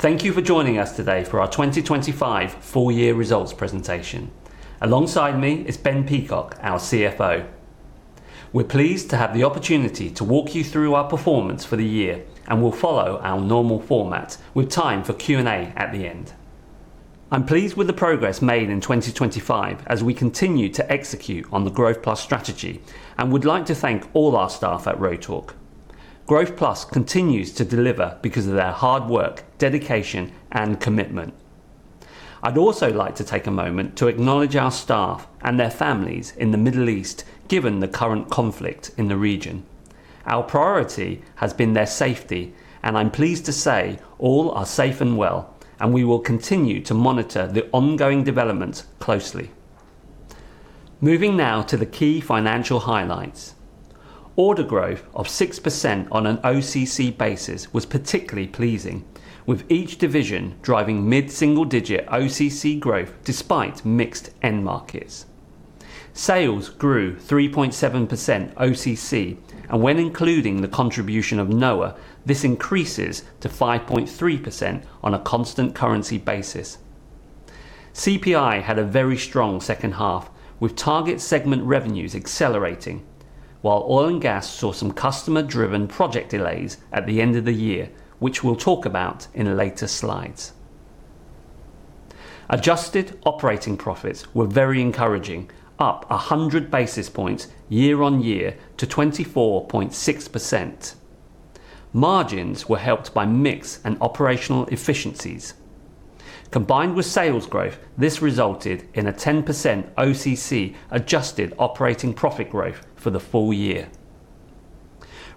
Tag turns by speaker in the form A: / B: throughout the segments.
A: Thank you for joining us today for our 2025 full year results presentation. Alongside me is Ben Peacock, our Chief Financial Officer. We're pleased to have the opportunity to walk you through our performance for the year, and we'll follow our normal format with time for Q&A at the end. I'm pleased with the progress made in 2025 as we continue to execute on the Growth+ strategy and would like to thank all our staff at Rotork. Growth+ continues to deliver because of their hard work, dedication, and commitment. I'd also like to take a moment to acknowledge our staff and their families in the Middle East, given the current conflict in the region. Our priority has been their safety, and I'm pleased to say all are safe and well, and we will continue to monitor the ongoing developments closely. Moving now to the key financial highlights. Order growth of 6% on an OCC basis was particularly pleasing with each division driving mid-single digit OCC growth despite mixed end markets. Sales grew 3.7% OCC, and when including the contribution of Noah, this increases to 5.3% on a constant currency basis. CPI had a very strong second half with target segment revenues accelerating, while oil and gas saw some customer-driven project delays at the end of the year, which we'll talk about in later slides. Adjusted operating profits were very encouraging, up 100 basis points year-on-year to 24.6%. Margins were helped by mix and operational efficiencies. Combined with sales growth, this resulted in a 10% OCC adjusted operating profit growth for the full year.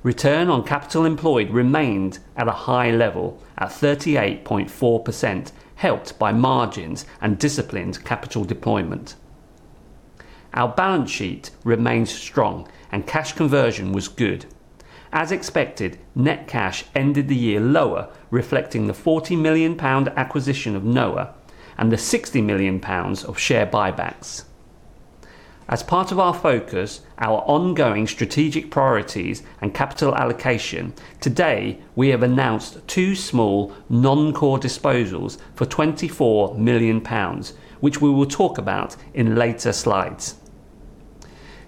A: Return on capital employed remained at a high level at 38.4%, helped by margins and disciplined capital deployment. Our balance sheet remains strong and cash conversion was good. As expected, net cash ended the year lower, reflecting the 40 million pound acquisition of Noah and the 60 million pounds of share buybacks. As part of our focus, our ongoing strategic priorities and capital allocation, today we have announced two small non-core disposals for 24 million pounds, which we will talk about in later slides.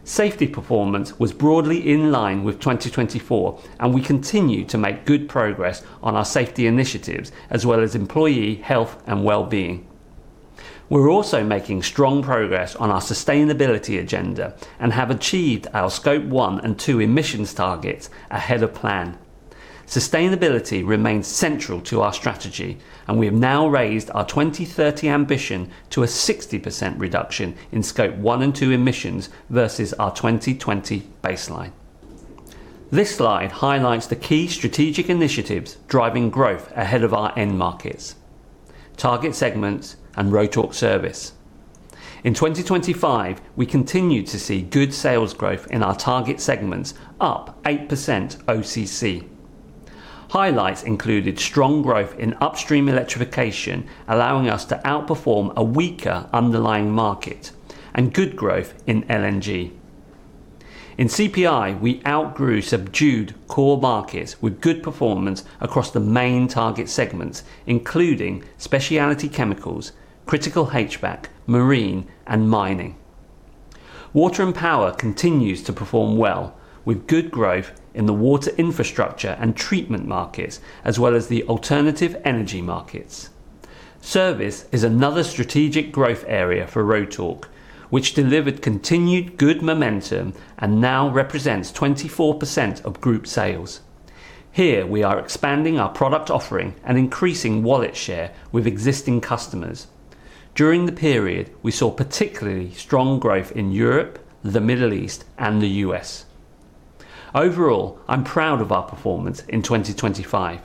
A: Safety performance was broadly in line with 2024, and we continue to make good progress on our safety initiatives as well as employee health and well-being. We're also making strong progress on our sustainability agenda and have achieved our Scope 1 and 2 emissions targets ahead of plan. Sustainability remains central to our strategy, and we have now raised our 2030 ambition to a 60% reduction in Scope 1 and 2 emissions versus our 2020 baseline. This slide highlights the key strategic initiatives driving growth ahead of our end markets, target segments and Rotork Service. In 2025, we continued to see good sales growth in our target segments up 8% OCC. Highlights included strong growth in upstream electrification, allowing us to outperform a weaker underlying market and good growth in LNG. In CPI, we outgrew subdued core markets with good performance across the main target segments, including specialty chemicals, critical HVAC, marine, and mining. Water & Power continues to perform well with good growth in the water infrastructure and treatment markets, as well as the alternative energy markets. Service is another strategic growth area for Rotork, which delivered continued good momentum and now represents 24% of group sales. Here we are expanding our product offering and increasing wallet share with existing customers. During the period, we saw particularly strong growth in Europe, the Middle East, and the U.S., Overall, I'm proud of our performance in 2025.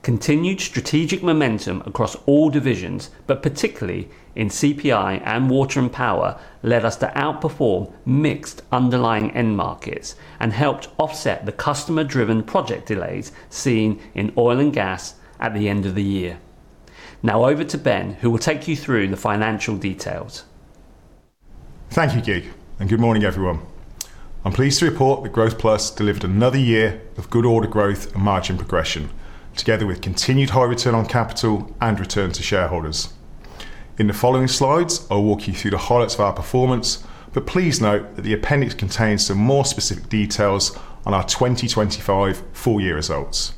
A: Continued strategic momentum across all divisions, but particularly in CPI and Water & Power led us to outperform mixed underlying end markets and helped offset the customer-driven project delays seen in oil and gas at the end of the year. Now over to Ben, who will take you through the financial details.
B: Thank you, Kiet Huynh, and good morning, everyone. I'm pleased to report that Growth+ delivered another year of good order growth and margin progression together with continued high return on capital and return to shareholders. In the following slides, I'll walk you through the highlights of our performance, but please note that the appendix contains some more specific details on our 2025 full year results.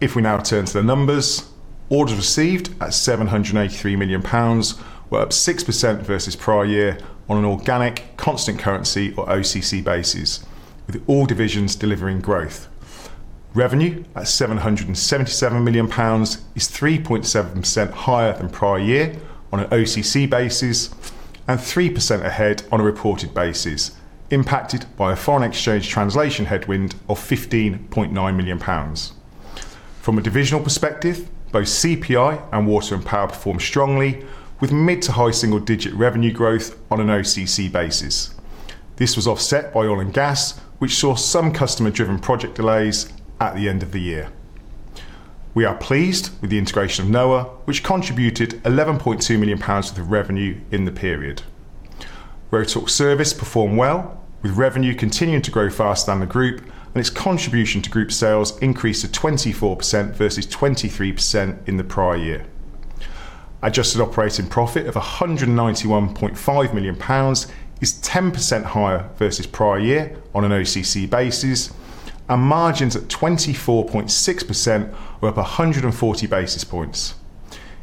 B: If we now turn to the numbers, orders received at 783 million pounds were up 6% versus prior year on an organic constant currency or OCC basis, with all divisions delivering growth. Revenue at 777 million pounds is 3.7% higher than prior year on an OCC basis and 3% ahead on a reported basis, impacted by a foreign exchange translation headwind of 15.9 million pounds. From a divisional perspective, both CPI and Water and Power performed strongly with mid- to high-single-digit revenue growth on an OCC basis. This was offset by oil and gas, which saw some customer driven project delays at the end of the year. We are pleased with the integration of Noah Actuation, which contributed 11.2 million pounds to the revenue in the period. Rotork Service performed well, with revenue continuing to grow faster than the group and its contribution to group sales increased to 24% versus 23% in the prior year. Adjusted operating profit of 191.5 million pounds is 10% higher versus prior year on an OCC basis, and margins at 24.6% were up 140 basis points.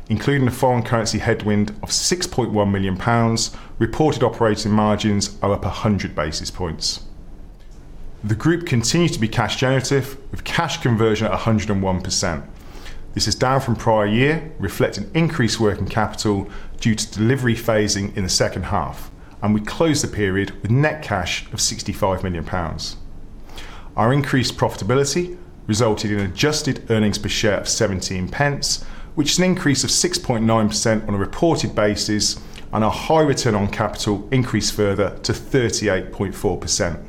B: Including a foreign currency headwind of 6.1 million pounds, reported operating margins are up 100 basis points. The group continued to be cash generative with cash conversion at 101%. This is down from prior year, reflecting increased working capital due to delivery phasing in the second half, and we closed the period with net cash of 65 million pounds. Our increased profitability resulted in adjusted earnings per share of 0.17, which is an increase of 6.9% on a reported basis and our high return on capital increased further to 38.4%.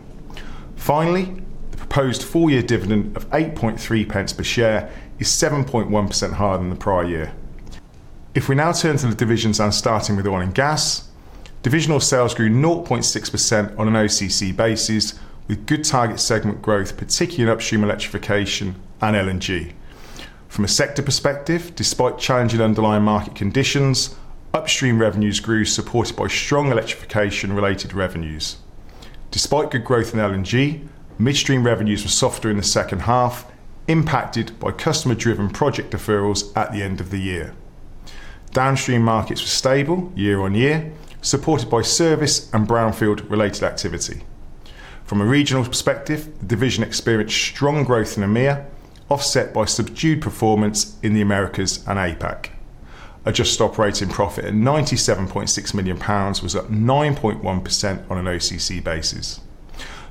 B: Finally, the proposed full year dividend of 0.083 per share is 7.1% higher than the prior year. If we now turn to the divisions and starting with the one in gas, divisional sales grew 0.6% on an OCC basis with good target segment growth, particularly in upstream electrification and LNG. From a sector perspective, despite challenging underlying market conditions, upstream revenues grew supported by strong electrification-related revenues. Despite good growth in LNG, midstream revenues were softer in the second half, impacted by customer-driven project deferrals at the end of the year. Downstream markets were stable year-over-year, supported by service and brownfield-related activity. From a regional perspective, the division experienced strong growth in EMEA, offset by subdued performance in the Americas and APAC. Adjusted operating profit at 97.6 million pounds was up 9.1% on an OCC basis.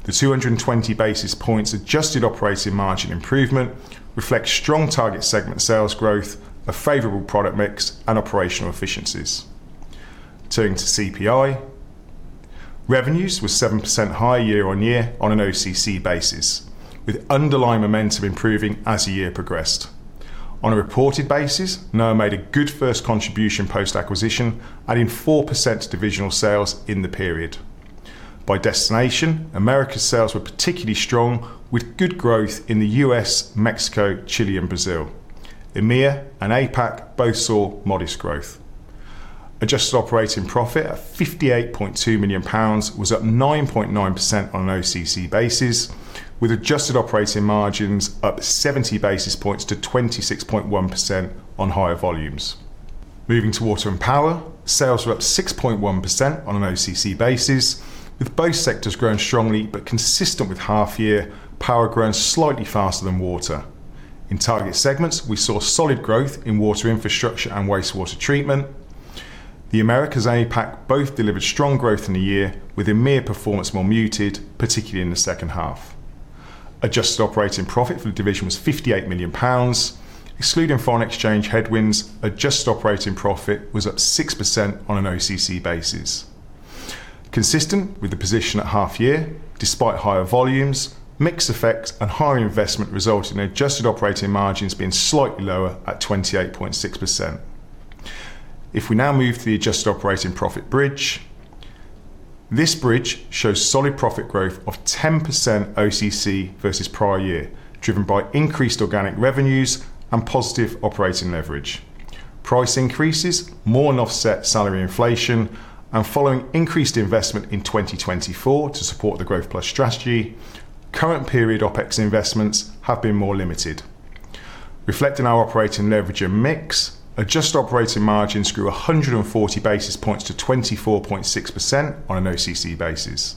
B: The 200 basis points adjusted operating margin improvement reflects strong target segment sales growth, a favorable product mix, and operational efficiencies. Turning to CPI, revenues were 7% higher year-on-year on an OCC basis, with underlying momentum improving as the year progressed. On a reported basis, Noah made a good first contribution post-acquisition, adding 4% to divisional sales in the period. By destination, Americas sales were particularly strong with good growth in the U.S., Mexico, Chile, and Brazil. EMEA and APAC both saw modest growth. Adjusted operating profit at 58.2 million pounds was up 9.9% on an OCC basis, with adjusted operating margins up 70 basis points to 26.1% on higher volumes. Moving to water and power, sales were up 6.1% on an OCC basis, with both sectors growing strongly but consistent with half year, power growing slightly faster than water. In target segments, we saw solid growth in water infrastructure and wastewater treatment. The Americas and APAC both delivered strong growth in the year, with EMEA performance more muted, particularly in the second half. Adjusted operating profit for the division was 58 million pounds. Excluding foreign exchange headwinds, adjusted operating profit was up 6% on an OCC basis. Consistent with the position at half year, despite higher volumes, mix effect and higher investment resulted in adjusted operating margins being slightly lower at 28.6%. If we now move to the adjusted operating profit bridge, this bridge shows solid profit growth of 10% OCC versus prior year, driven by increased organic revenues and positive operating leverage. Price increases more than offset salary inflation, and following increased investment in 2024 to support the Growth+ strategy, current period OpEx investments have been more limited. Reflecting our operating leverage and mix, adjusted operating margins grew 140 basis points to 24.6% on an OCC basis.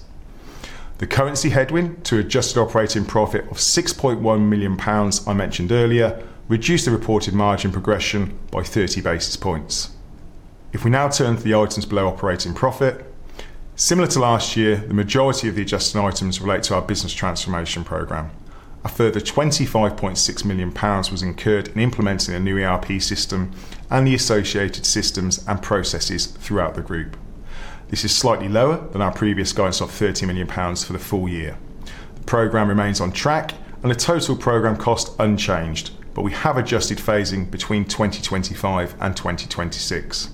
B: The currency headwind to adjusted operating profit of 6.1 million pounds I mentioned earlier reduced the reported margin progression by 30 basis points. If we now turn to the items below operating profit, similar to last year, the majority of the adjusted items relate to our business transformation program. A further 25.6 million pounds was incurred in implementing a new ERP system and the associated systems and processes throughout the group. This is slightly lower than our previous guide of 30 million pounds for the full year. The program remains on track and the total program cost unchanged, but we have adjusted phasing between 2025 and 2026.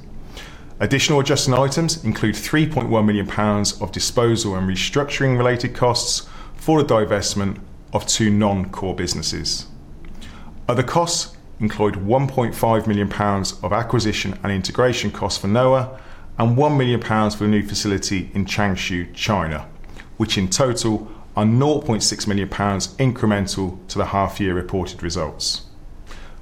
B: Additional adjusted items include 3.1 million pounds of disposal and restructuring related costs for the divestment of two non-core businesses. Other costs include 1.5 million pounds of acquisition and integration costs for Noah Actuation and 1 million pounds for a new facility in Changshu, China, which in total are 0.6 million pounds incremental to the half year reported results.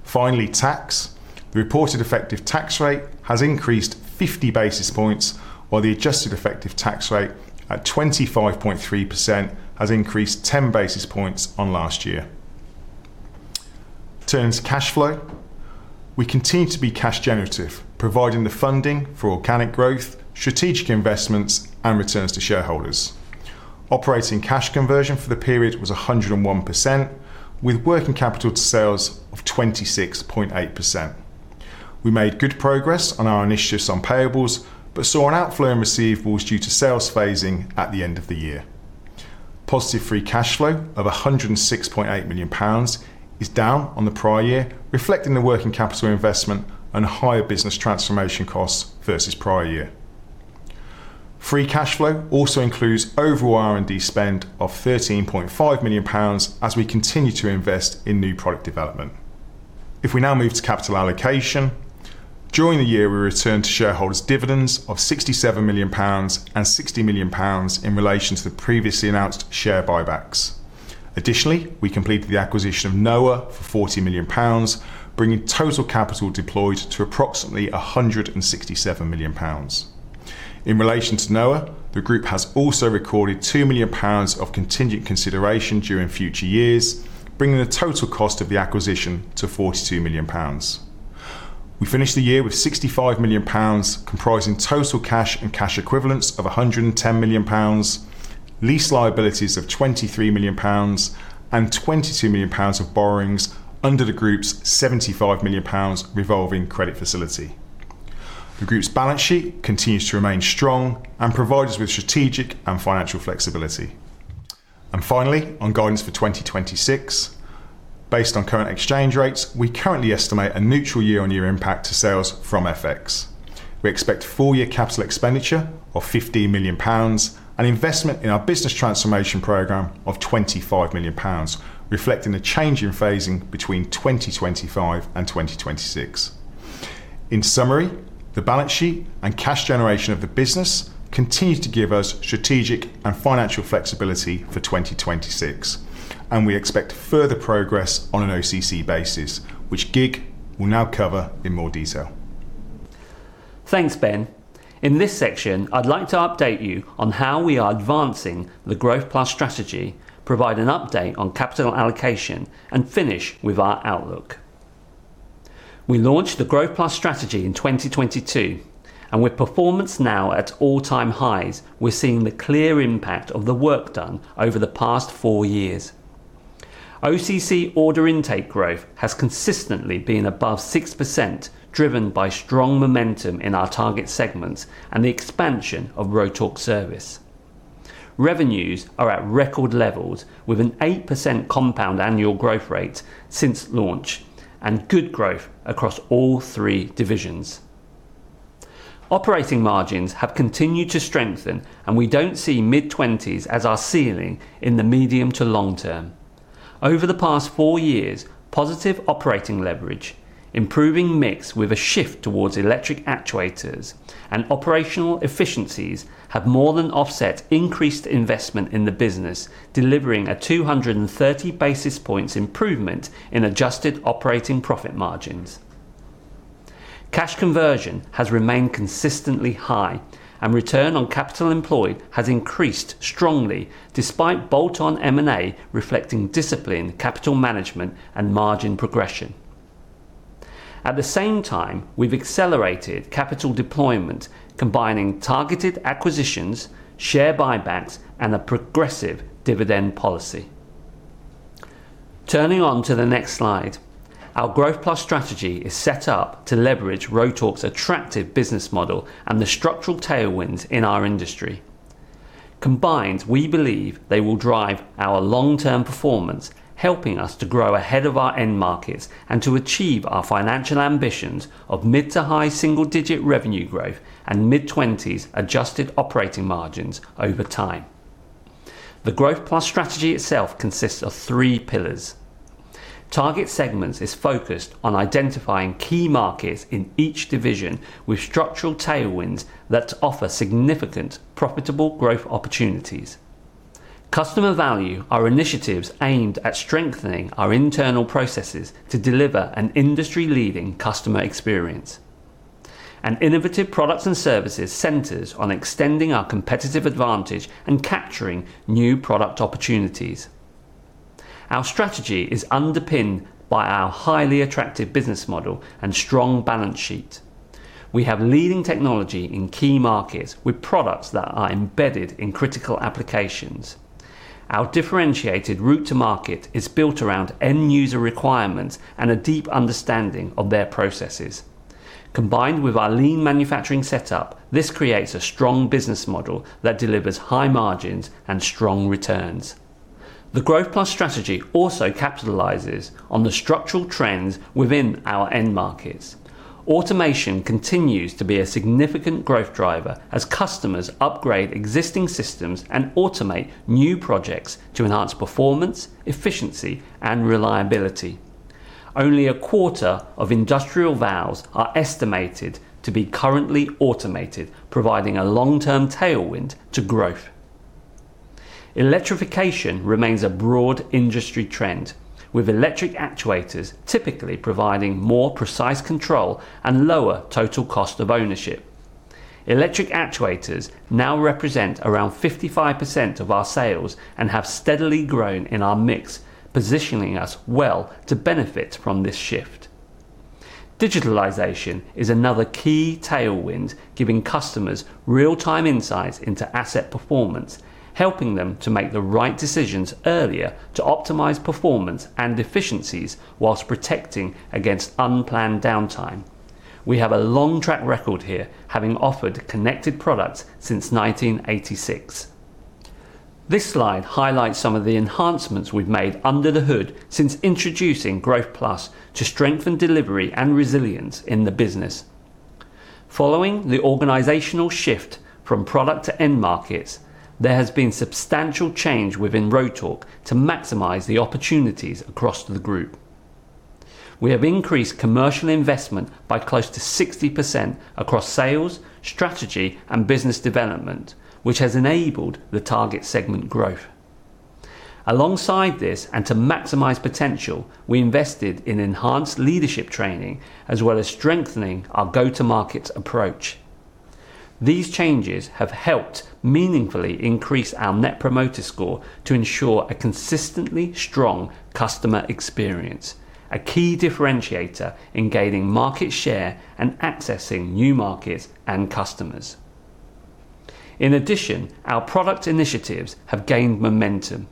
B: Finally, tax. The reported effective tax rate has increased 50 basis points, while the adjusted effective tax rate at 25.3% has increased 10 basis points on last year. Turning to cash flow. We continue to be cash generative, providing the funding for organic growth, strategic investments, and returns to shareholders. Operating cash conversion for the period was 101% with working capital to sales of 26.8%. We made good progress on our initiatives on payables, but saw an outflow in receivables due to sales phasing at the end of the year. Positive free cash flow of 106.8 million pounds is down on the prior year, reflecting the working capital investment and higher business transformation costs versus prior year. Free cash flow also includes overall R&D spend of 13.5 million pounds as we continue to invest in new product development. If we now move to capital allocation, during the year, we returned to shareholders dividends of 67 million pounds and 60 million pounds in relation to the previously announced share buybacks. Additionally, we completed the acquisition of Noah for 40 million pounds, bringing total capital deployed to approximately 167 million pounds. In relation to Noah, the group has also recorded 2 million pounds of contingent consideration during future years, bringing the total cost of the acquisition to 42 million pounds. We finished the year with 65 million pounds, comprising total cash and cash equivalents of 110 million pounds, lease liabilities of 23 million pounds, and 22 million pounds of borrowings under the group's 75 million pounds revolving credit facility. The group's balance sheet continues to remain strong and provides us with strategic and financial flexibility. Finally, on guidance for 2026, based on current exchange rates, we currently estimate a neutral year-on-year impact to sales from FX. We expect full year capital expenditure of 15 million pounds and investment in our business transformation program of 25 million pounds, reflecting the change in phasing between 2025 and 2026. In summary, the balance sheet and cash generation of the business continues to give us strategic and financial flexibility for 2026, and we expect further progress on an OCC basis, which Kiet Huynh will now cover in more detail.
A: Thanks, Ben. In this section, I'd like to update you on how we are advancing the Growth+ strategy, provide an update on capital allocation, and finish with our outlook. We launched the Growth+ strategy in 2022, with performance now at all-time highs, we're seeing the clear impact of the work done over the past four years. OCC order intake growth has consistently been above 6%, driven by strong momentum in our target segments and the expansion of Rotork Service. Revenues are at record levels with an 8% compound annual growth rate since launch and good growth across all three divisions. Operating margins have continued to strengthen, and we don't see mid-20s% as our ceiling in the medium to long term. Over the past four-years, positive operating leverage, improving mix with a shift towards electric actuators, and operational efficiencies have more than offset increased investment in the business, delivering a 230 basis points improvement in adjusted operating profit margins. Cash conversion has remained consistently high, and return on capital employed has increased strongly despite bolt-on M&A reflecting disciplined capital management and margin progression. At the same time, we've accelerated capital deployment, combining targeted acquisitions, share buybacks, and a progressive dividend policy. Turning to the next slide. Our Growth+ strategy is set up to leverage Rotork's attractive business model and the structural tailwinds in our industry. Combined, we believe they will drive our long-term performance, helping us to grow ahead of our end markets and to achieve our financial ambitions of mid- to high-single-digit revenue growth and mid-20s adjusted operating margins over time. The Growth Plus strategy itself consists of three pillars. Target Segments is focused on identifying key markets in each division with structural tailwinds that offer significant profitable growth opportunities. Customer Value are initiatives aimed at strengthening our internal processes to deliver an industry leading customer experience. Innovative Products and Services centers on extending our competitive advantage and capturing new product opportunities. Our strategy is underpinned by our highly attractive business model and strong balance sheet. We have leading technology in key markets with products that are embedded in critical applications. Our differentiated route to market is built around end user requirements and a deep understanding of their processes. Combined with our lean manufacturing setup, this creates a strong business model that delivers high margins and strong returns. The Growth Plus strategy also capitalizes on the structural trends within our end markets. Automation continues to be a significant growth driver as customers upgrade existing systems and automate new projects to enhance performance, efficiency and reliability. Only a quarter of industrial valves are estimated to be currently automated, providing a long-term tailwind to growth. Electrification remains a broad industry trend, with electric actuators typically providing more precise control and lower total cost of ownership. Electric actuators now represent around 55% of our sales and have steadily grown in our mix, positioning us well to benefit from this shift. Digitalization is another key tailwind, giving customers real-time insights into asset performance, helping them to make the right decisions earlier to optimize performance and efficiencies while protecting against unplanned downtime. We have a long track record here, having offered connected products since 1986. This slide highlights some of the enhancements we've made under the hood since introducing Growth Plus to strengthen delivery and resilience in the business. Following the organizational shift from product to end markets, there has been substantial change within Rotork to maximize the opportunities across the group. We have increased commercial investment by close to 60% across sales, strategy, and business development, which has enabled the target segment growth. Alongside this, and to maximize potential, we invested in enhanced leadership training as well as strengthening our go-to-market approach. These changes have helped meaningfully increase our Net Promoter Score to ensure a consistently strong customer experience, a key differentiator in gaining market share and accessing new markets and customers. In addition, our product initiatives have gained momentum.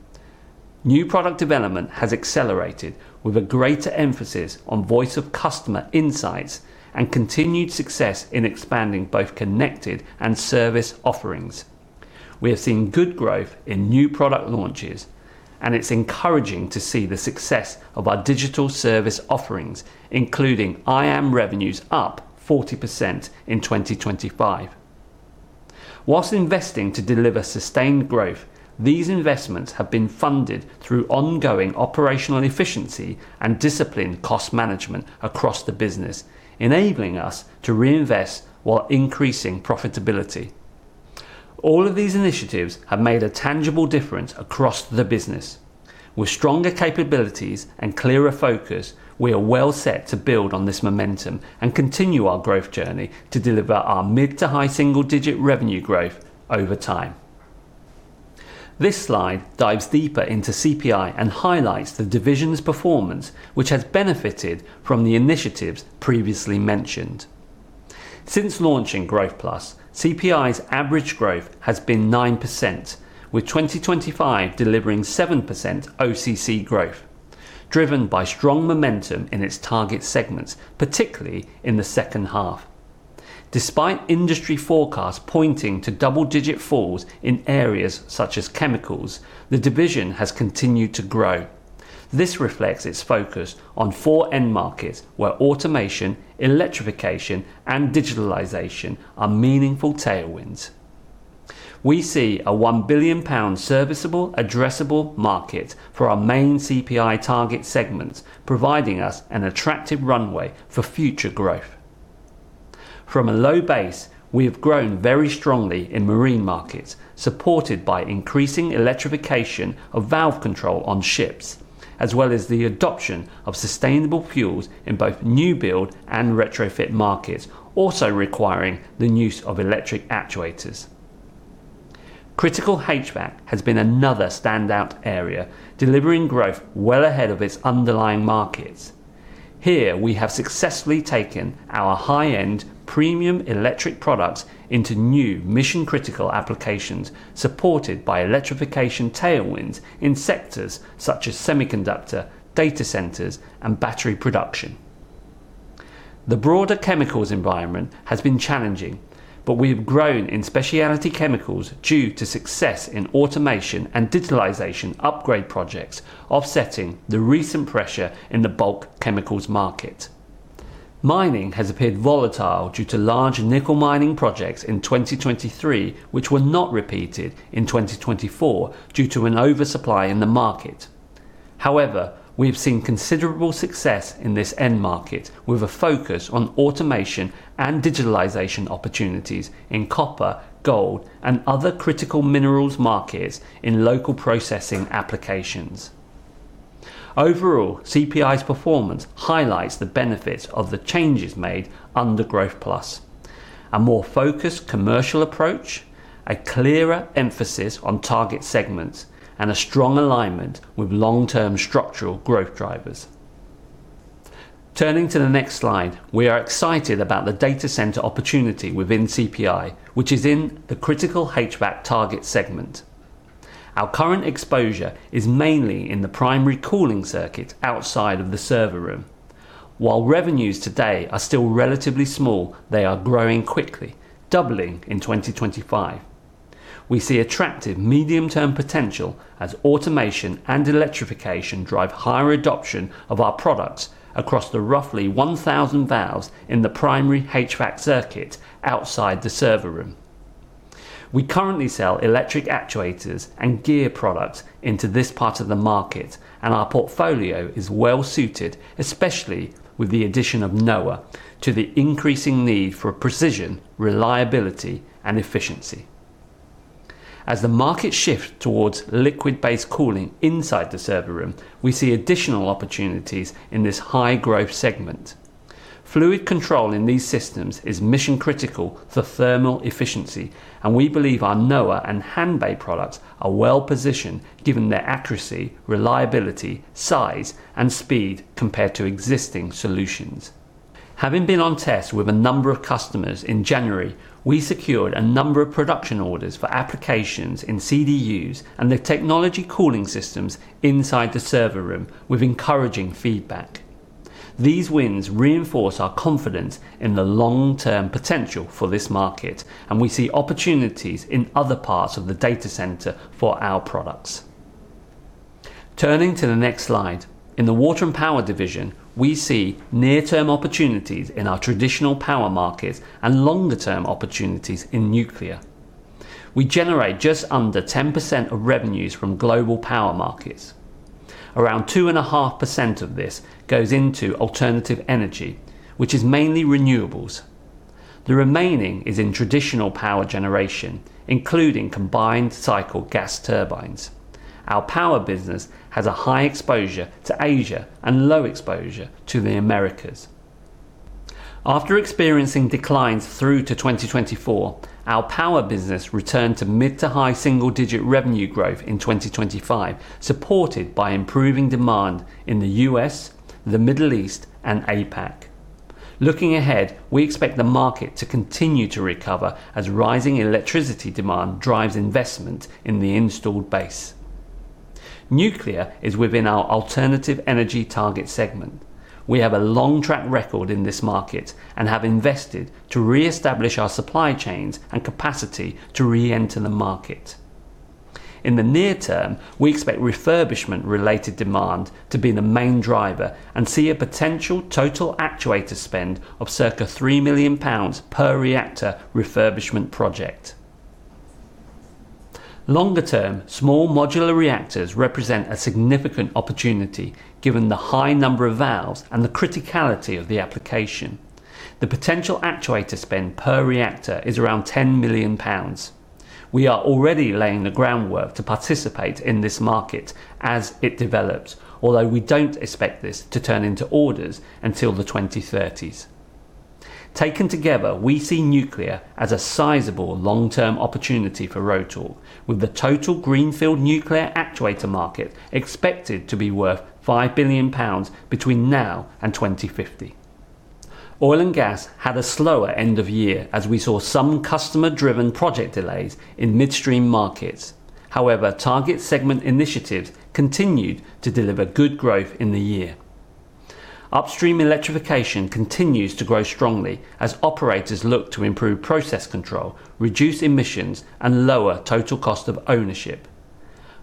A: New product development has accelerated with a greater emphasis on voice of customer insights and continued success in expanding both connected and service offerings. We have seen good growth in new product launches, and it's encouraging to see the success of our digital service offerings, including iAM revenues up 40% in 2025. While investing to deliver sustained growth, these investments have been funded through ongoing operational efficiency and disciplined cost management across the business, enabling us to reinvest while increasing profitability. All of these initiatives have made a tangible difference across the business. With stronger capabilities and clearer focus, we are well set to build on this momentum and continue our growth journey to deliver our mid to high single-digit revenue growth over time. This slide dives deeper into CPI and highlights the division's performance, which has benefited from the initiatives previously mentioned. Since launching Growth Plus, CPI's average growth has been 9%, with 2025 delivering 7% OCC growth, driven by strong momentum in its target segments, particularly in the second half. Despite industry forecasts pointing to double-digit falls in areas such as chemicals, the division has continued to grow. This reflects its focus on four end markets where automation, electrification, and digitalization are meaningful tailwinds. We see a 1 billion pound serviceable addressable market for our main CPI target segments, providing us an attractive runway for future growth. From a low base, we have grown very strongly in marine markets, supported by increasing electrification of valve control on ships, as well as the adoption of sustainable fuels in both new build and retrofit markets, also requiring the use of electric actuators. Critical HVAC has been another standout area, delivering growth well ahead of its underlying markets. Here, we have successfully taken our high-end premium electric products into new mission-critical applications, supported by electrification tailwinds in sectors such as semiconductor, data centers, and battery production. The broader chemicals environment has been challenging, but we have grown in specialty chemicals due to success in automation and digitalization upgrade projects offsetting the recent pressure in the bulk chemicals market. Mining has appeared volatile due to large nickel mining projects in 2023 which were not repeated in 2024 due to an oversupply in the market. However, we have seen considerable success in this end market with a focus on automation and digitalization opportunities in copper, gold, and other critical minerals markets in local processing applications. Overall, CPI's performance highlights the benefits of the changes made under Growth+, a more focused commercial approach, a clearer emphasis on target segments, and a strong alignment with long-term structural growth drivers. Turning to the next slide, we are excited about the data center opportunity within CPI, which is in the critical HVAC target segment. Our current exposure is mainly in the primary cooling circuit outside of the server room. While revenues today are still relatively small, they are growing quickly, doubling in 2025. We see attractive medium-term potential as automation and electrification drive higher adoption of our products across the roughly 1,000 valves in the primary HVAC circuit outside the server room. We currently sell electric actuators and gear products into this part of the market, and our portfolio is well suited, especially with the addition of Noah, to the increasing need for precision, reliability, and efficiency. As the market shifts towards liquid-based cooling inside the server room, we see additional opportunities in this high-growth segment. Fluid control in these systems is mission-critical for thermal efficiency, and we believe our Noah and Hanbay products are well-positioned given their accuracy, reliability, size, and speed compared to existing solutions. Having been on test with a number of customers in January, we secured a number of production orders for applications in CDUs and the technology cooling systems inside the server room with encouraging feedback. These wins reinforce our confidence in the long-term potential for this market, and we see opportunities in other parts of the data center for our products. Turning to the next slide, in the water and power division, we see near-term opportunities in our traditional power markets and longer-term opportunities in nuclear. We generate just under 10% of revenues from global power markets. Around 2.5% of this goes into alternative energy, which is mainly renewables. The remaining is in traditional power generation, including combined cycle gas turbines. Our power business has a high exposure to Asia and low exposure to the Americas. After experiencing declines through to 2024, our power business returned to mid- to high-single-digit revenue growth in 2025, supported by improving demand in the U.S., the Middle East, and APAC. Looking ahead, we expect the market to continue to recover as rising electricity demand drives investment in the installed base. Nuclear is within our alternative energy target segment. We have a long track record in this market and have invested to reestablish our supply chains and capacity to re-enter the market. In the near term, we expect refurbishment-related demand to be the main driver and see a potential total actuator spend of circa 3 million pounds per reactor refurbishment project. Longer term, small modular reactors represent a significant opportunity given the high number of valves and the criticality of the application. The potential actuator spend per reactor is around 10 million pounds. We are already laying the groundwork to participate in this market as it develops, although we don't expect this to turn into orders until the 2030s. Taken together, we see nuclear as a sizable long-term opportunity for Rotork, with the total greenfield nuclear actuator market expected to be worth 5 billion pounds between now and 2050. Oil and gas had a slower end of year as we saw some customer-driven project delays in midstream markets. However, target segment initiatives continued to deliver good growth in the year. Upstream electrification continues to grow strongly as operators look to improve process control, reduce emissions, and lower total cost of ownership.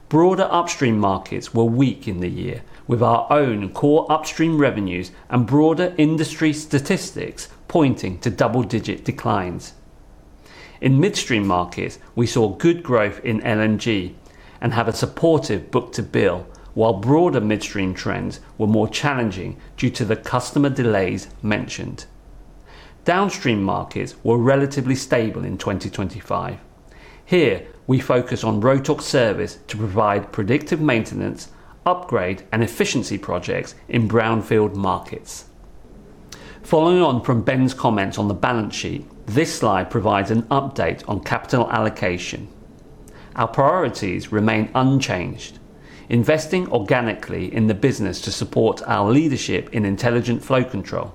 A: Broader upstream markets were weak in the year with our own core upstream revenues and broader industry statistics pointing to double-digit declines. In midstream markets, we saw good growth in LNG and have a supportive book-to-bill, while broader midstream trends were more challenging due to the customer delays mentioned. Downstream markets were relatively stable in 2025. Here, we focus on Rotork Service to provide predictive maintenance, upgrade, and efficiency projects in brownfield markets. Following on from Ben's comments on the balance sheet, this slide provides an update on capital allocation. Our priorities remain unchanged. Investing organically in the business to support our leadership in intelligent flow control,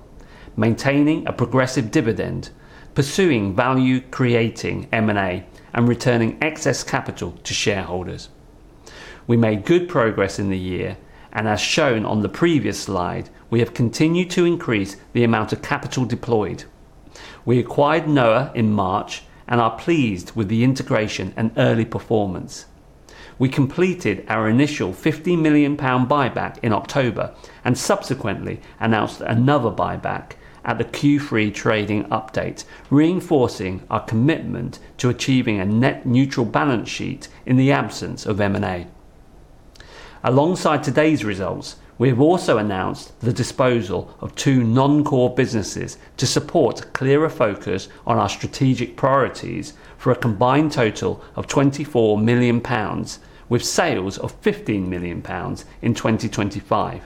A: maintaining a progressive dividend, pursuing value-creating M&A, and returning excess capital to shareholders. We made good progress in the year, and as shown on the previous slide, we have continued to increase the amount of capital deployed. We acquired Noah in March and are pleased with the integration and early performance. We completed our initial 50 million pound buyback in October and subsequently announced another buyback at the Q3 trading update, reinforcing our commitment to achieving a net neutral balance sheet in the absence of M&A. Alongside today's results, we have also announced the disposal of two non-core businesses to support clearer focus on our strategic priorities for a combined total of 24 million pounds, with sales of 15 million pounds in 2025.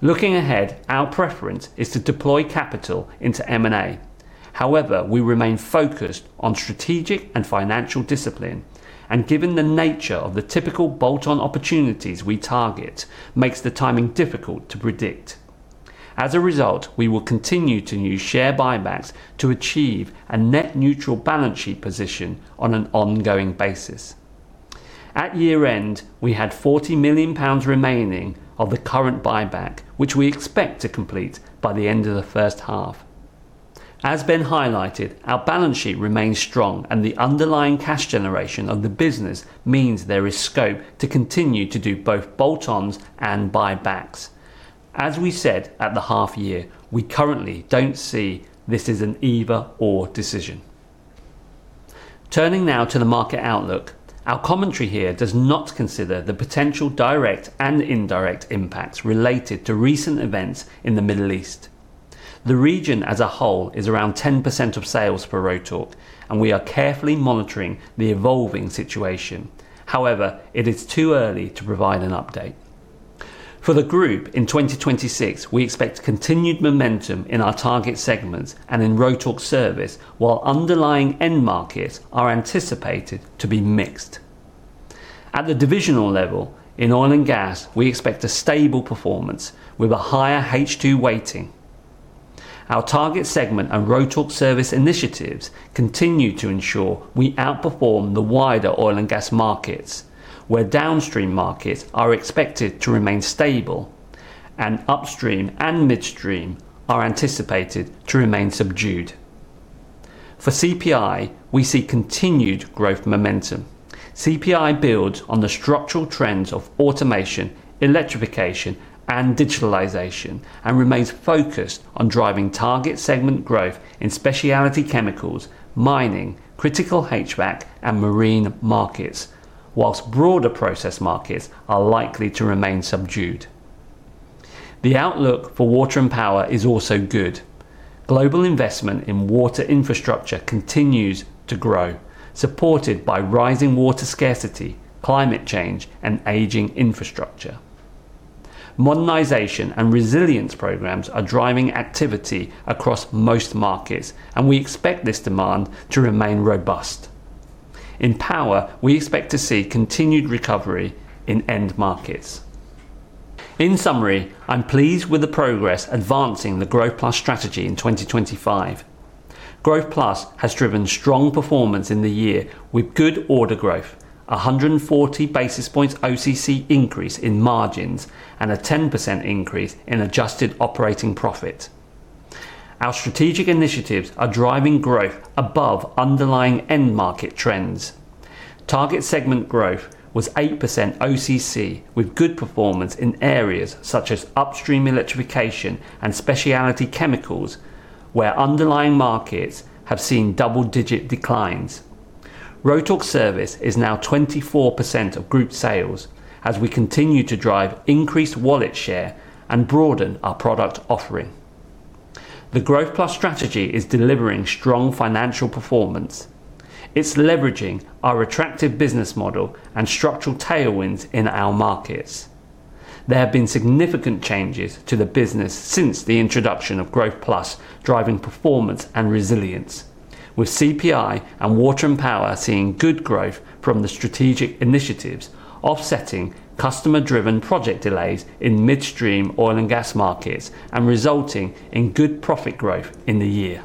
A: Looking ahead, our preference is to deploy capital into M&A. However, we remain focused on strategic and financial discipline, and given the nature of the typical bolt-on opportunities we target makes the timing difficult to predict. As a result, we will continue to use share buybacks to achieve a net neutral balance sheet position on an ongoing basis. At year-end, we had 40 million pounds remaining of the current buyback, which we expect to complete by the end of the first half. As Ben highlighted, our balance sheet remains strong and the underlying cash generation of the business means there is scope to continue to do both bolt-ons and buybacks. As we said at the half year, we currently don't see this as an either/or decision. Turning now to the market outlook. Our commentary here does not consider the potential direct and indirect impacts related to recent events in the Middle East. The region as a whole is around 10% of sales for Rotork, and we are carefully monitoring the evolving situation. However, it is too early to provide an update. For the group in 2026, we expect continued momentum in our target segments and in Rotork Service, while underlying end markets are anticipated to be mixed. At the divisional level in oil and gas, we expect a stable performance with a higher H2 weighting. Our target segment and Rotork Service initiatives continue to ensure we outperform the wider oil and gas markets, where downstream markets are expected to remain stable and upstream and midstream are anticipated to remain subdued. For CPI, we see continued growth momentum. CPI builds on the structural trends of automation, electrification, and digitalization, and remains focused on driving target segment growth in specialty chemicals, mining, critical HVAC, and marine markets, while broader process markets are likely to remain subdued. The outlook for water and power is also good. Global investment in water infrastructure continues to grow, supported by rising water scarcity, climate change, and aging infrastructure. Modernization and resilience programs are driving activity across most markets, and we expect this demand to remain robust. In power, we expect to see continued recovery in end markets. In summary, I'm pleased with the progress advancing the Growth Plus strategy in 2025. Growth Plus has driven strong performance in the year with good order growth, 140 basis points OCC increase in margins, and a 10% increase in adjusted operating profit. Our strategic initiatives are driving growth above underlying end market trends. Target segment growth was 8% OCC, with good performance in areas such as upstream electrification and specialty chemicals, where underlying markets have seen double-digit declines. Rotork Service is now 24% of group sales as we continue to drive increased wallet share and broaden our product offering. The Growth Plus strategy is delivering strong financial performance. It's leveraging our attractive business model and structural tailwinds in our markets. There have been significant changes to the business since the introduction of Growth Plus driving performance and resilience, with CPI and water and power seeing good growth from the strategic initiatives offsetting customer-driven project delays in midstream oil and gas markets and resulting in good profit growth in the year.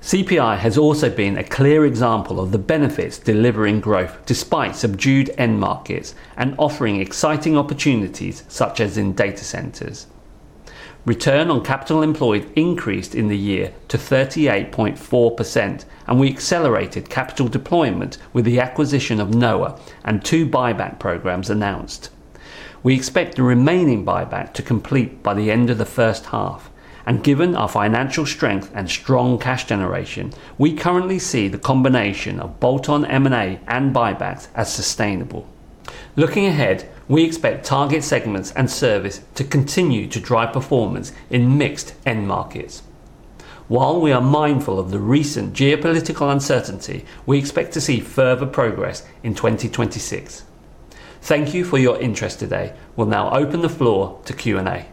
A: CPI has also been a clear example of the benefits delivering growth despite subdued end markets and offering exciting opportunities such as in data centers. Return on capital employed increased in the year to 38.4%, and we accelerated capital deployment with the acquisition of Noah and two buyback programs announced. We expect the remaining buyback to complete by the end of the first half. Given our financial strength and strong cash generation, we currently see the combination of bolt-on M&A and buybacks as sustainable. Looking ahead, we expect target segments and service to continue to drive performance in mixed end markets. While we are mindful of the recent geopolitical uncertainty, we expect to see further progress in 2026. Thank you for your interest today. We'll now open the floor to Q&A.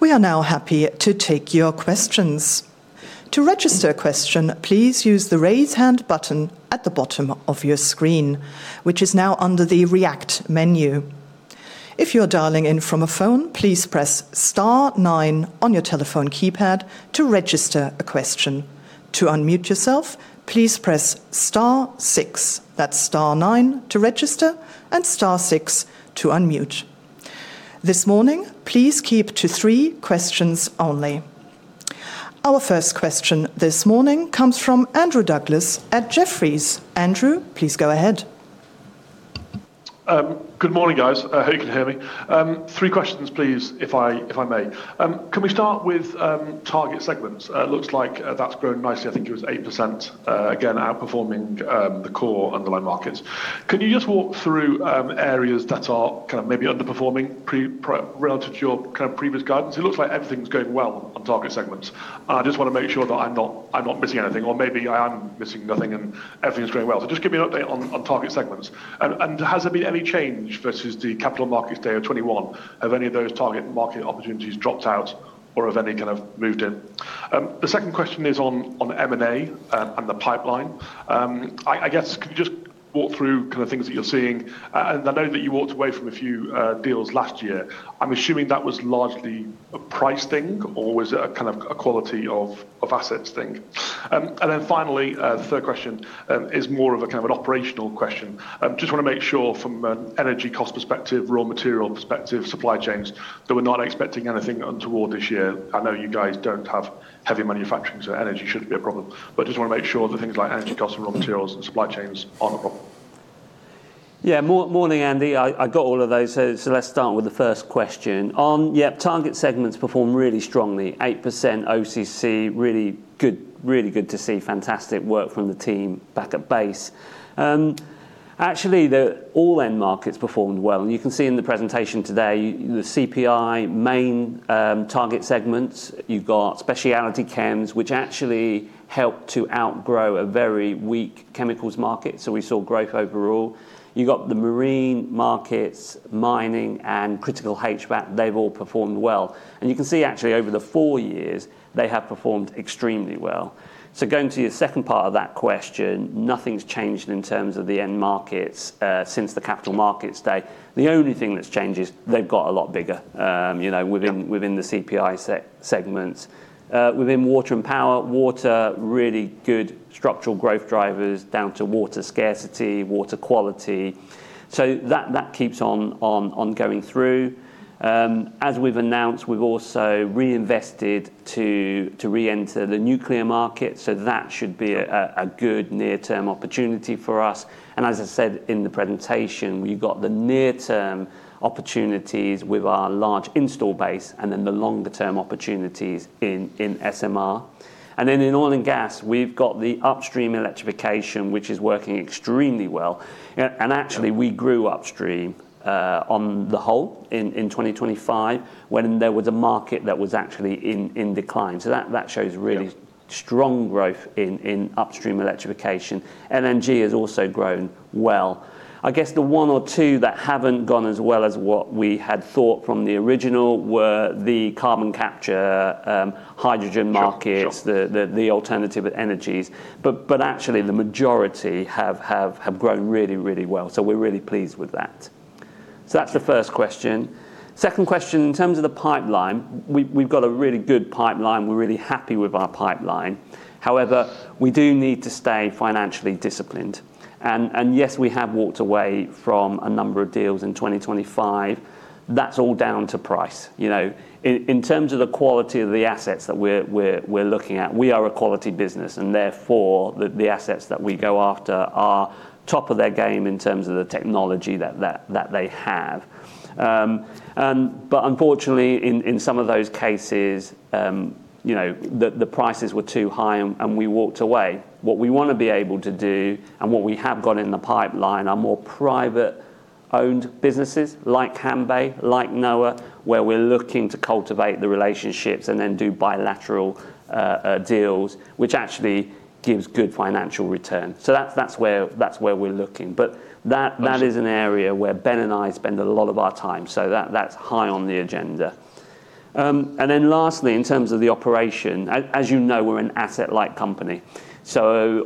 C: We are now happy to take your questions. To register a question, please use the raise hand button at the bottom of your screen, which is now under the react menu. If you're dialing in from a phone, please press star nine on your telephone keypad to register a question. To unmute yourself, please press star six. That's star nine to register and star six to unmute. This morning, please keep to three questions only. Our first question this morning comes from Andrew Douglas at Jefferies. Andrew, please go ahead.
D: Good morning, guys. I hope you can hear me. Three questions, please, if I may. Can we start with target segments? Looks like that's grown nicely. I think it was 8%, again, outperforming the core underlying markets. Can you just walk through areas that are kind of maybe underperforming pre-pro-relative to your kind of previous guidance? It looks like everything's going well on target segments. I just wanna make sure that I'm not missing anything, or maybe I am missing nothing and everything's going well. Just give me an update on target segments. Has there been any change versus the Capital Markets Day of 2021? Have any of those target market opportunities dropped out or have any kind of moved in? The second question is on M&A and the pipeline. I guess, can you just walk through kind of things that you're seeing? I know that you walked away from a few deals last year. I'm assuming that was largely a price thing or was it a kind of a quality of assets thing? Then finally, third question, is more of a kind of an operational question. Just wanna make sure from an energy cost perspective, raw material perspective, supply chains, that we're not expecting anything untoward this year. I know you guys don't have heavy manufacturing, so energy shouldn't be a problem. Just wanna make sure that things like energy costs and raw materials and supply chains aren't a problem.
A: Morning, Andrew. I got all of those, so let's start with the first question. Target segments performed really strongly, 8% OCC, really good to see. Fantastic work from the team back at base. Actually, all end markets performed well, and you can see in the presentation today, the CPI main target segments. You've got specialty chems, which actually helped to outgrow a very weak chemicals market. We saw growth overall. You got the marine markets, mining, and critical HVAC, they've all performed well. You can see actually over the four years, they have performed extremely well. Going to your second part of that question, nothing's changed in terms of the end markets since the capital markets day. The only thing that's changed is they've got a lot bigger, you know.
D: Yeah
A: Within the CPI segments. Within water and power, really good structural growth drivers due to water scarcity, water quality. That keeps on going through. As we've announced, we've also reinvested to re-enter the nuclear market, so that should be a good near-term opportunity for us. As I said in the presentation, we've got the near-term opportunities with our large install base and then the longer term opportunities in SMR. Then in oil and gas, we've got the upstream electrification, which is working extremely well. Actually.
D: Yeah
A: We grew upstream on the whole in 2025 when there was a market that was actually in decline. That shows really.
D: Yeah
A: Strong growth in upstream electrification. LNG has also grown well. I guess the one or two that haven't gone as well as what we had thought from the original were the carbon capture, hydrogen markets.
D: Sure, sure.
A: The alternative energies. Actually the majority have grown really well. We're really pleased with that. That's the first question. Second question, in terms of the pipeline, we've got a really good pipeline. We're really happy with our pipeline. However, we do need to stay financially disciplined. Yes, we have walked away from a number of deals in 2025. That's all down to price. You know, in terms of the quality of the assets that we're looking at, we are a quality business and therefore the assets that we go after are top of their game in terms of the technology that they have. But unfortunately in some of those cases, you know, the prices were too high and we walked away. What we wanna be able to do and what we have got in the pipeline are more private-owned businesses like Hanbay, like Noah, where we're looking to cultivate the relationships and then do bilateral deals, which actually gives good financial return. That's where we're looking.
D: Understood
A: That is an area where Ben and I spend a lot of our time, so that's high on the agenda. Then lastly, in terms of the operation, as you know, we're an asset light company.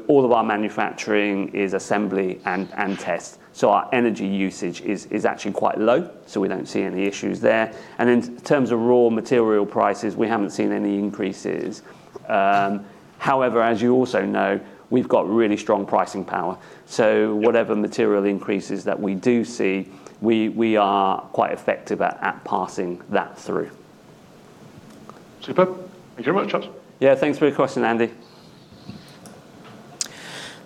A: All of our manufacturing is assembly and test. Our energy usage is actually quite low, so we don't see any issues there. In terms of raw material prices, we haven't seen any increases. However, as you also know, we've got really strong pricing power.
D: Yeah
A: Whatever material increases that we do see, we are quite effective at passing that through.
D: Superb. Thank you very much.
A: Yeah. Thanks for your question, Andrew.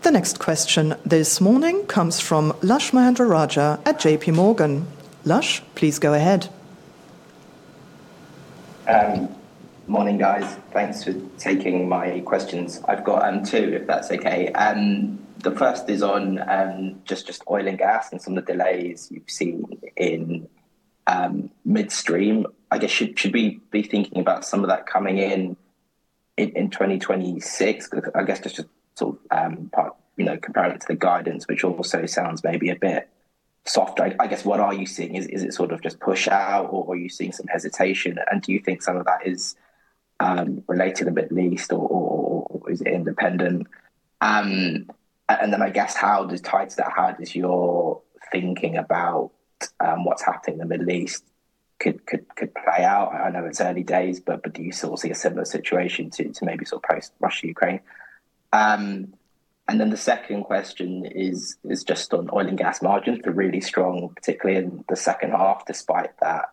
C: The next question this morning comes from Lushanthan Mahendrarajah at J.P. Morgan. Lushanthan, please go ahead.
E: Morning, guys. Thanks for taking my questions. I've got two, if that's okay. The first is on just oil and gas and some of the delays you've seen in midstream. I guess, should we be thinking about some of that coming in in 2026? 'Cause I guess just to sort of you know, comparing it to the guidance, which also sounds maybe a bit softer. I guess what are you seeing? Is it sort of just push out or are you seeing some hesitation? And do you think some of that is related a bit at least or is it independent? And then I guess how just tied to that, how does your thinking about what's happening in the Middle East could play out? I know it's early days, but do you sort of see a similar situation to maybe sort of post Russia-Ukraine? The second question is just on oil and gas margins. They're really strong, particularly in the second half, despite that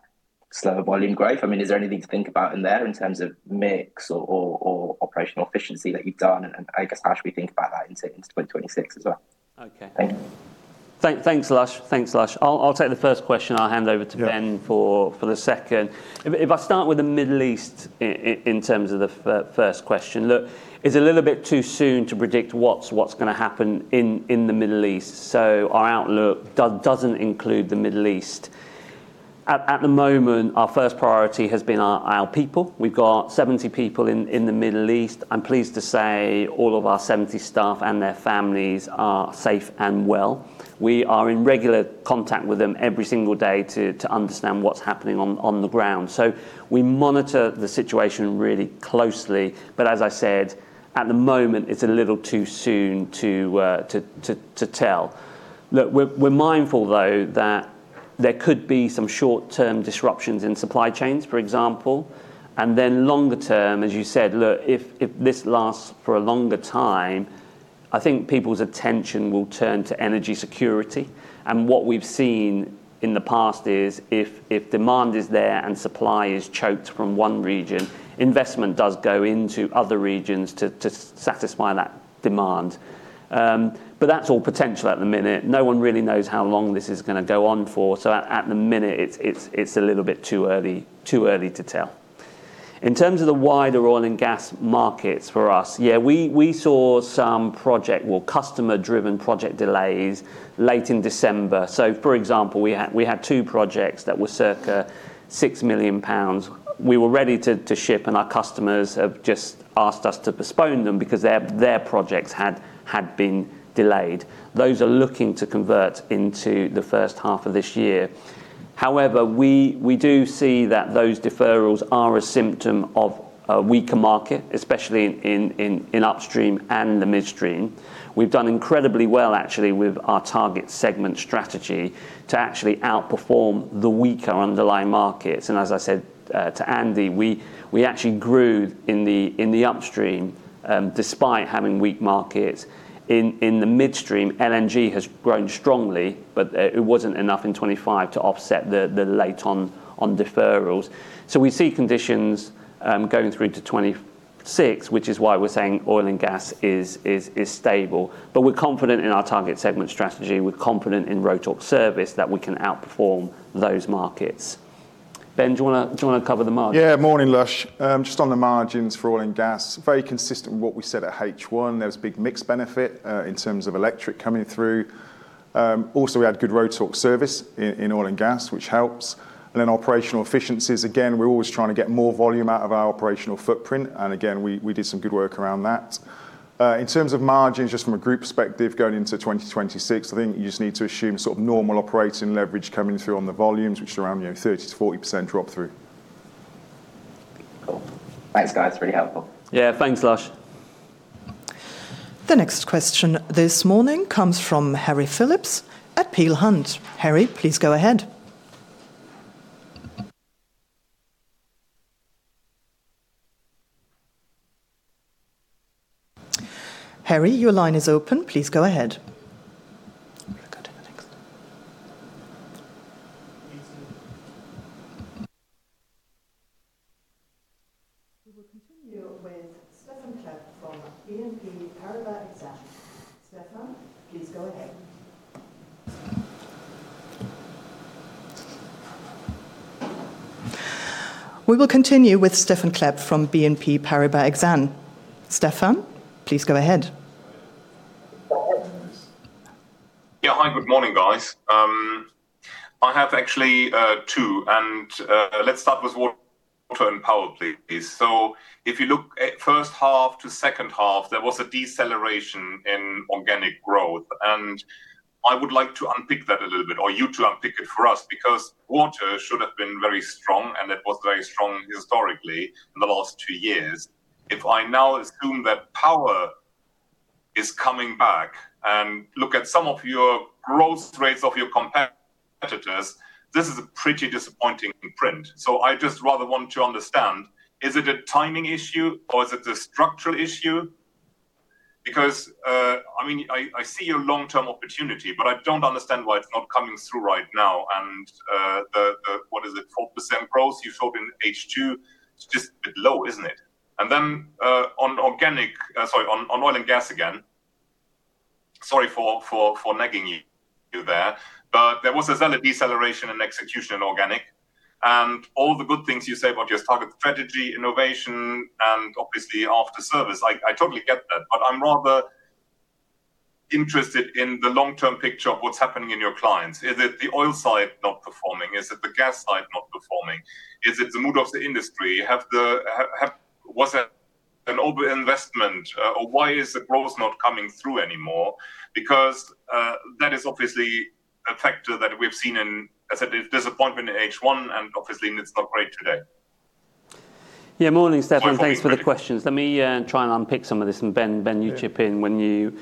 E: slower volume growth. I mean, is there anything to think about in there in terms of mix or operational efficiency that you've done? I guess how should we think about that in say into 2026 as well?
A: Okay.
E: Thank you.
A: Thanks, Lushanthan. I'll take the first question. I'll hand over to Ben.
E: Yeah
A: For the second. If I start with the Middle East in terms of the first question. Look, it's a little bit too soon to predict what's gonna happen in the Middle East. Our outlook doesn't include the Middle East. At the moment, our first priority has been our people. We've got 70 people in the Middle East. I'm pleased to say all of our 70 staff and their families are safe and well. We are in regular contact with them every single day to understand what's happening on the ground. We monitor the situation really closely. As I said, at the moment, it's a little too soon to tell. Look, we're mindful though that there could be some short-term disruptions in supply chains, for example. Then longer term, as you said, look, if this lasts for a longer time, I think people's attention will turn to energy security. What we've seen in the past is if demand is there and supply is choked from one region, investment does go into other regions to satisfy that demand. That's all potential at the minute. No one really knows how long this is gonna go on for. At the minute, it's a little bit too early to tell. In terms of the wider oil and gas markets for us, we saw some project or customer-driven project delays late in December. For example, we had two projects that were circa 6 million pounds. We were ready to ship, and our customers have just asked us to postpone them because their projects had been delayed. Those are looking to convert into the first half of this year. However, we do see that those deferrals are a symptom of a weaker market, especially in upstream and the midstream. We've done incredibly well actually with our target segment strategy to actually outperform the weaker underlying markets. As I said to Andrew, we actually grew in the upstream, despite having weak markets. In the midstream, LNG has grown strongly, but it wasn't enough in 2025 to offset the later deferrals. We see conditions going through to 2026, which is why we're saying oil and gas is stable. We're confident in our target segment strategy. We're confident in Rotork Service that we can outperform those markets. Ben, do you wanna cover the margin?
B: Yeah. Morning, Lushanthan Mahendrarajah. Just on the margins for oil and gas, very consistent with what we said at H1. There was a big mix benefit in terms of electric coming through. Also, we had good Rotork Service in oil and gas, which helps. Operational efficiencies, again, we're always trying to get more volume out of our operational footprint, and again, we did some good work around that. In terms of margins, just from a group perspective, going into 2026, I think you just need to assume sort of normal operating leverage coming through on the volumes, which are around, you know, 30%-40% drop through.
E: Cool. Thanks, guys. Really helpful. Yeah. Thanks, Lushanthan.
C: The next question this morning comes from Harry Philips at Peel Hunt. Harry, please go ahead. Harry, your line is open. Please go ahead. We'll go to the next. We will continue with Stephan Klepp from BNP Paribas Exane. Stephan, please go ahead.
F: Yeah. Hi. Good morning, guys. I have actually two, and let's start with water and power, please. If you look at first half to second half, there was a deceleration in organic growth. I would like to unpick that a little bit or you to unpick it for us because water should have been very strong, and it was very strong historically in the last two years. If I now assume that power is coming back and look at some of your growth rates of your competitors, this is a pretty disappointing imprint. I just rather want to understand, is it a timing issue or is it a structural issue? Because, I mean, I see your long-term opportunity, but I don't understand why it's not coming through right now. 4% growth you showed in H2, it's just a bit low, isn't it? On oil and gas again, sorry for nagging you there. There was a sudden deceleration in execution in organic. All the good things you say about your target strategy, innovation, and obviously after service, I totally get that. I'm rather interested in the long-term picture of what's happening in your clients. Is it the oil side not performing? Is it the gas side not performing? Is it the mood of the industry? Was it an overinvestment, or why is the growth not coming through anymore? Because that is obviously a factor that we've seen in, as I said, disappointment in H1 and obviously in the stock trade today.
A: Yeah. Morning, Stephan.
F: Hi. Morning.
A: Thanks for the questions. Let me try and unpick some of this. Ben, you chip in when you.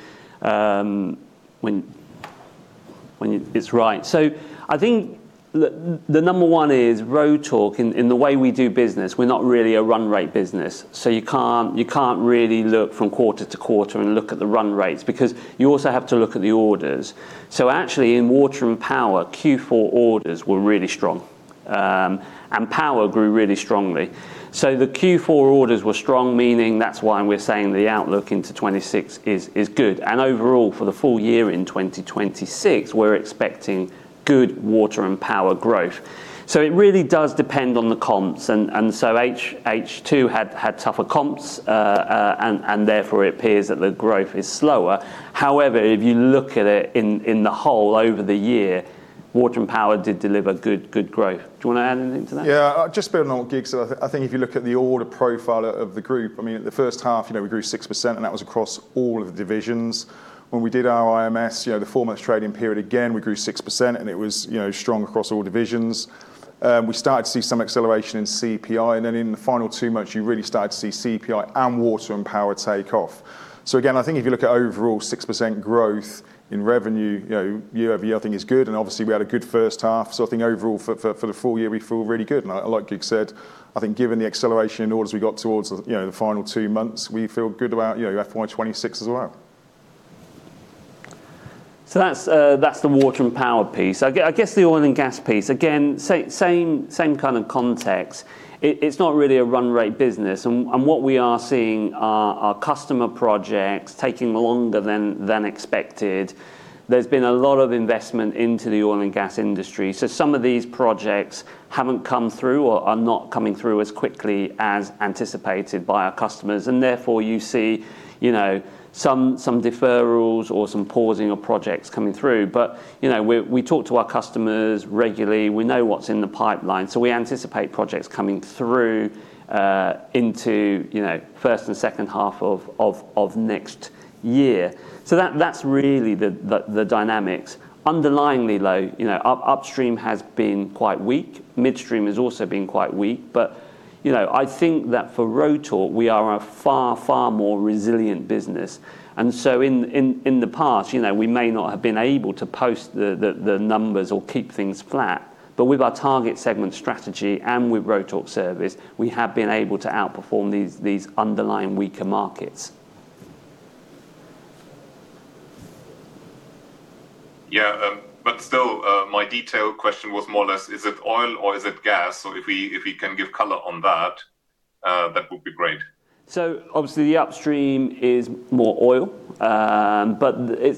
A: It's right. I think the number one is Rotork. In the way we do business, we're not really a run rate business, so you can't really look from quarter to quarter and look at the run rates because you also have to look at the orders. Actually in water and power, Q4 orders were really strong. Power grew really strongly. The Q4 orders were strong, meaning that's why we're saying the outlook into 2026 is good. Overall, for the full year in 2026, we're expecting good water and power growth. It really does depend on the comps, so H2 had tougher comps. Therefore it appears that the growth is slower. However, if you look at it in the whole over the year, water and power did deliver good growth. Do you wanna add anything to that?
B: Yeah. Just building on what Kiet said. I think if you look at the order profile of the group, I mean, at the first half, you know, we grew 6%, and that was across all of the divisions. When we did our IMS, you know, the four-month trading period, again, we grew 6%, and it was, you know, strong across all divisions. We started to see some acceleration in CPI, and then in the final two months, you really started to see CPI and water and power take off. Again, I think if you look at overall 6% growth in revenue, you know, year-over-year, I think is good. Obviously we had a good first half. I think overall for the full year, we feel really good. Like Kiet Huynh said, I think given the acceleration in orders we got towards, you know, the final two months, we feel good about, you know, FY 2026 as well.
A: That's the water and power piece. I guess the oil and gas piece, again, same kind of context. It's not really a run rate business and what we are seeing are our customer projects taking longer than expected. There's been a lot of investment into the oil and gas industry. Some of these projects haven't come through or are not coming through as quickly as anticipated by our customers, and therefore, you see, you know, some deferrals or some pausing of projects coming through. You know, we talk to our customers regularly. We know what's in the pipeline, so we anticipate projects coming through into, you know, first and second half of next year. That's really the dynamics. Underlyingly low, you know, upstream has been quite weak. Midstream has also been quite weak. You know, I think that for Rotork, we are a far, far more resilient business. In the past, you know, we may not have been able to post the numbers or keep things flat. With our target segment strategy and with Rotork Service, we have been able to outperform these underlying weaker markets.
F: Yeah. Still, my detailed question was more or less, is it oil or is it gas? If we can give color on that would be great.
A: Obviously the upstream is more oil. But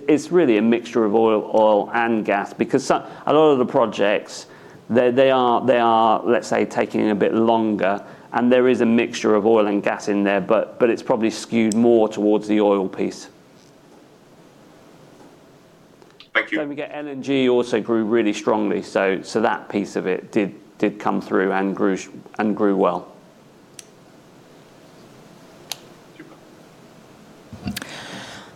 A: it's really a mixture of oil and gas because a lot of the projects they are, let's say, taking a bit longer and there is a mixture of oil and gas in there, but it's probably skewed more towards the oil piece.
F: Thank you.
A: LNG also grew really strongly, so that piece of it did come through and grew well.
F: Thank you.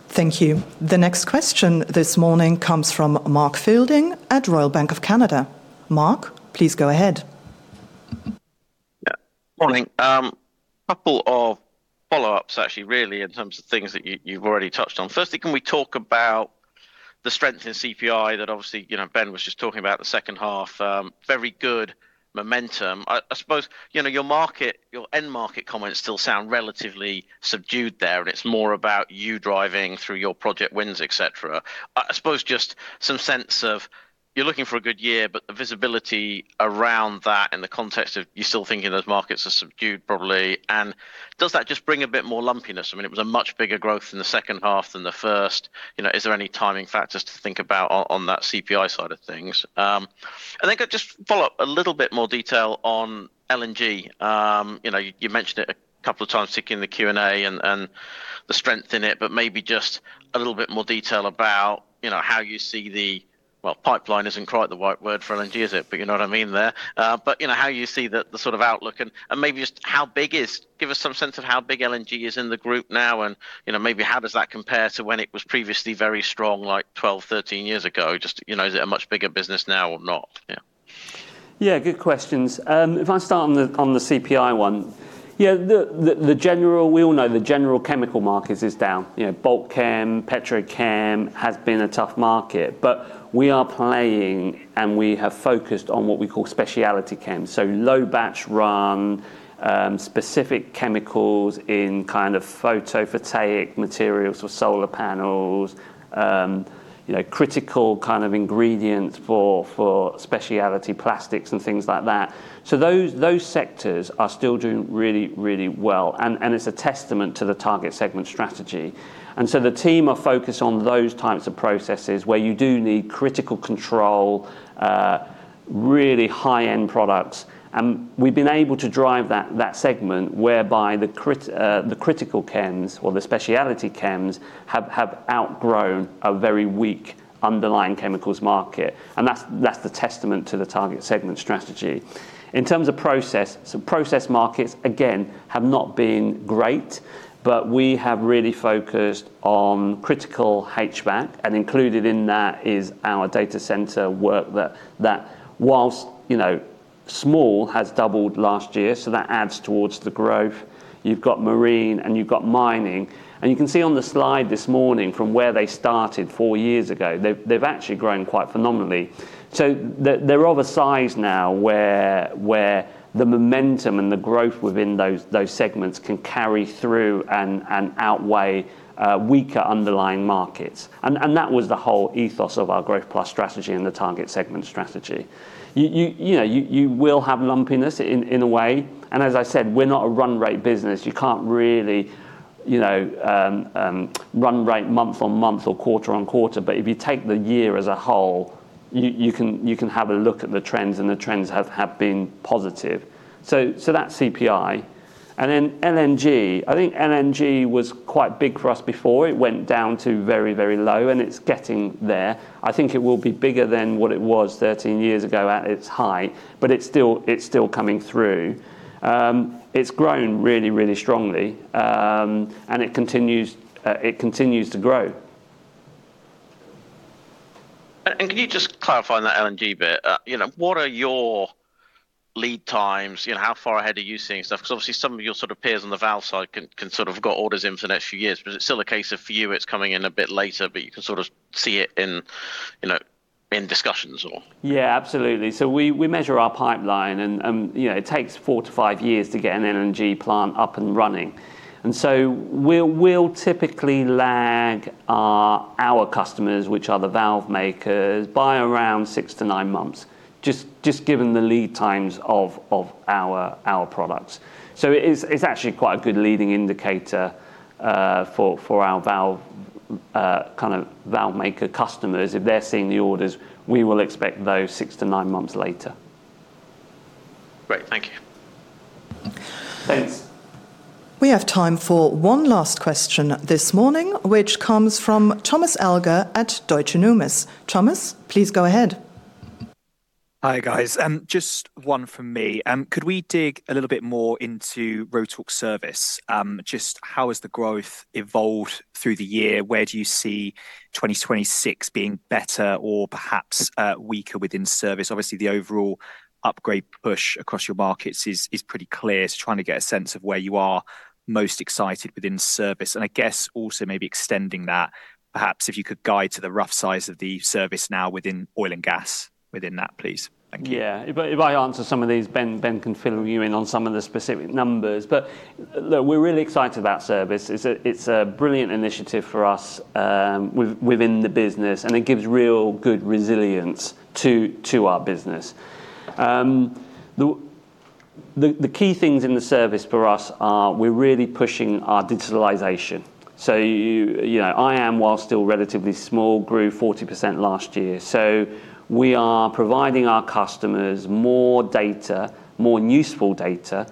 C: Thank you. The next question this morning comes from Mark Fielding at Royal Bank of Canada. Mark, please go ahead.
G: Yeah. Morning. A couple of follow-ups actually, really in terms of things that you've already touched on. Firstly, can we talk about the strength in CPI that obviously, you know, Ben was just talking about the second half, very good momentum. I suppose, you know, your market, your end market comments still sound relatively subdued there, and it's more about you driving through your project wins, etc. I suppose just some sense of you're looking for a good year, but the visibility around that in the context of you still thinking those markets are subdued probably. Does that just bring a bit more lumpiness? I mean, it was a much bigger growth in the second half than the first. You know, is there any timing factors to think about on that CPI side of things? I think I'd just follow up a little bit more detail on LNG. You know, you mentioned it a couple of times, particularly in the Q&A and the strength in it, but maybe just a little bit more detail about, you know, how you see the, well, pipeline isn't quite the right word for LNG, is it? You know what I mean there. You know, how you see the sort of outlook and maybe just give us some sense of how big LNG is in the group now and, you know, maybe how does that compare to when it was previously very strong like 12, 13 years ago? Just, you know, is it a much bigger business now or not? Yeah.
A: Yeah, good questions. If I start on the CPI one. Yeah, the general chemical markets is down. We all know the general chemical markets is down. You know, bulk chem, petrochem has been a tough market. But we are playing and we have focused on what we call specialty chem. So low batch run, specific chemicals in kind of photovoltaic materials or solar panels, you know, critical kind of ingredients for specialty plastics and things like that. So those sectors are still doing really well. And it's a testament to the target segment strategy. The team are focused on those types of processes where you do need critical control, really high-end products. We've been able to drive that segment whereby the critical chems or the specialty chems have outgrown a very weak underlying chemicals market. That's the testament to the target segment strategy. In terms of process, so process markets again have not been great, but we have really focused on critical HVAC and included in that is our data center work that while, you know, small has doubled last year, so that adds towards the growth. You've got marine and you've got mining. You can see on the slide this morning from where they started four years ago, they've actually grown quite phenomenally. They're of a size now where the momentum and the growth within those segments can carry through and outweigh weaker underlying markets. That was the whole ethos of our growth plus strategy and the target segment strategy. You know, you will have lumpiness in a way, and as I said, we're not a run rate business. You can't really, you know, run rate month on month or quarter on quarter. If you take the year as a whole, you can have a look at the trends, and the trends have been positive. That's CPI. Then LNG. I think LNG was quite big for us before. It went down to very low and it's getting there. I think it will be bigger than what it was 13 years ago at its high, but it's still coming through. It's grown really strongly, and it continues to grow.
G: Can you just clarify on that LNG bit? You know, what are your lead times? You know, how far ahead are you seeing stuff? 'Cause obviously some of your sort of peers on the valve side can sort of got orders in for the next few years. But is it still a case of for you it's coming in a bit later, but you can sort of see it in, you know. In discussions or?
A: Yeah, absolutely. We measure our pipeline and, you know, it takes four to five years to get an LNG plant up and running. We'll typically lag our customers, which are the valve makers, by around six to nine months, just given the lead times of our products. It's actually quite a good leading indicator for our valve kind of valve maker customers. If they're seeing the orders, we will expect those six to nine months later.
B: Great. Thank you.
A: Thanks.
C: We have time for one last question this morning, which comes from Thomas Elgar at Deutsche Numis. Thomas, please go ahead.
H: Hi, guys. Just one from me. Could we dig a little bit more into Rotork Service? Just how has the growth evolved through the year? Where do you see 2026 being better or perhaps weaker within Service? Obviously, the overall upgrade push across your markets is pretty clear. Trying to get a sense of where you are most excited within Service. I guess also maybe extending that, perhaps if you could guide to the rough size of the Service now within oil and gas within that, please. Thank you.
A: If I answer some of these, Ben can fill you in on some of the specific numbers. Look, we're really excited about service. It's a brilliant initiative for us, within the business, and it gives real good resilience to our business. The key things in the service for us are we're really pushing our digitalization. So you know, IMS, while still relatively small, grew 40% last year. So we are providing our customers more data, more useful data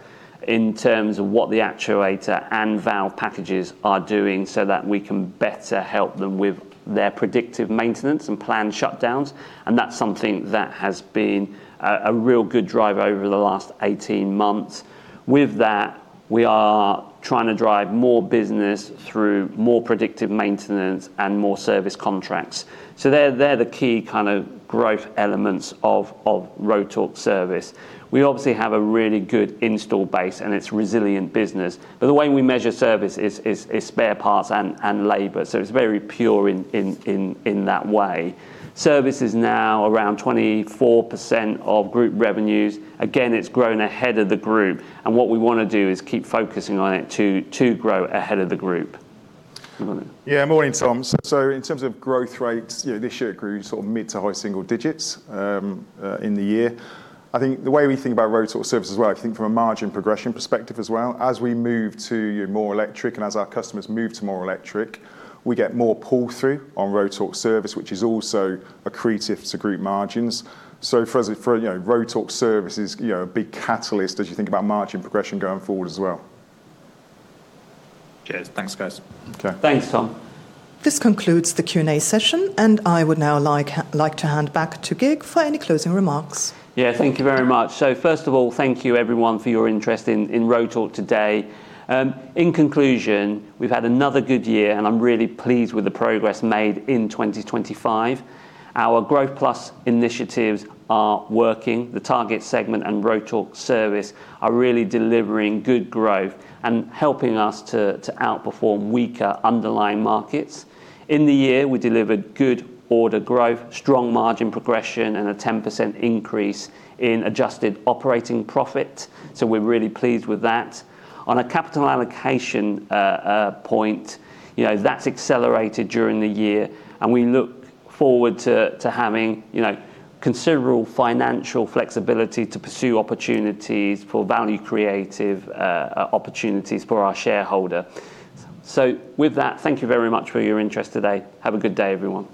A: in terms of what the actuator and valve packages are doing so that we can better help them with their predictive maintenance and planned shutdowns, and that's something that has been a real good driver over the last 18 months. With that, we are trying to drive more business through more predictive maintenance and more service contracts. They're the key kind of growth elements of Rotork Service. We obviously have a really good installed base, and it's resilient business. The way we measure service is spare parts and labor, so it's very pure in that way. Service is now around 24% of group revenues. Again, it's grown ahead of the group, and what we wanna do is keep focusing on it to grow ahead of the group. Go on.
B: Morning, Thomas. In terms of growth rates, you know, this year it grew sort of mid- to high-single-digit % in the year. I think the way we think about Rotork Service as well, I think from a margin progression perspective as well, as we move to more electric and as our customers move to more electric, we get more pull through on Rotork Service, which is also accretive to group margins. For us, for you know, Rotork Service is, you know, a big catalyst as you think about margin progression going forward as well.
H: Cheers. Thanks, guys.
B: Okay.
A: Thanks, Thomas.
C: This concludes the Q&A session, and I would now like to hand back to Kiet Huynh for any closing remarks.
A: Yeah.
C: Thank you.
A: Thank you very much. First of all, thank you everyone for your interest in Rotork today. In conclusion, we've had another good year, and I'm really pleased with the progress made in 2025. Our Growth+ initiatives are working. The target segment and Rotork Service are really delivering good growth and helping us to outperform weaker underlying markets. In the year, we delivered good order growth, strong margin progression, and a 10% increase in adjusted operating profit. We're really pleased with that. On a capital allocation point, you know, that's accelerated during the year and we look forward to having, you know, considerable financial flexibility to pursue value-creating opportunities for our shareholder. With that, thank you very much for your interest today. Have a good day, everyone.